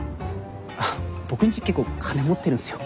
僕んち結構金持ってるんすよ。